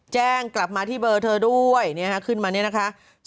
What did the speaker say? แจ้งกลับมาที่เบอร์เธอด้วยขึ้นมาเนี่ยนะคะ